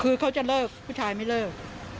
คือเขาจะเลิกผู้ชายไม่เลิก